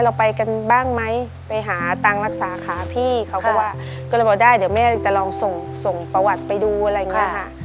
เราไปกันบ้างไหมไปหาตังค์รักษาขาพี่เขาก็ว่าก็เลยบอกได้เดี๋ยวแม่จะลองส่งส่งประวัติไปดูอะไรอย่างนี้ค่ะ